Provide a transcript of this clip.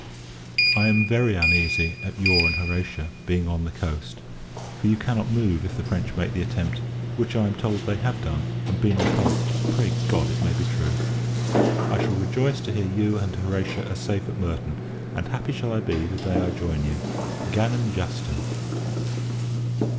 I am very uneasy at your and Horatia being on the coast: for you cannot move, if the French make the attempt; which, I am told, they have done, and been repulsed. Pray God, it may be true! I shall rejoice to hear you and Horatia are safe at Merton; and happy shall I be, the day I join you. _Gannam Justem.